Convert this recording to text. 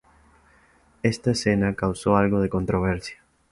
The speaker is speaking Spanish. Esta escena causó algo de controversia.